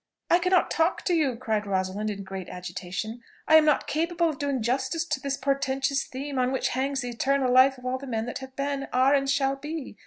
"I cannot talk to you," cried Rosalind in great agitation; "I am not capable of doing justice to this portentous theme, on which hangs the eternal life of all the men that have been, are, and shall be.